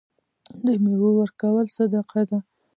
د میوو ورکول صدقه ده.